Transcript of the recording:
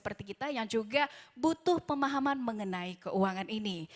seperti kita yang juga butuh pemahaman mengenai keuangan ini